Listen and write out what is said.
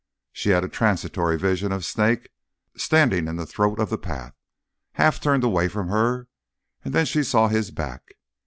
She had a transitory vision of Snake standing in the throat of the path, half turned away from her, and then she saw his back.